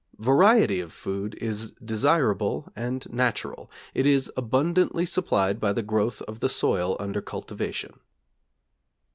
Variety of food is desirable and natural; it is abundantly supplied by the growth of the soil under cultivation.